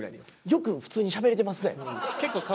よく普通にしゃべれてますね。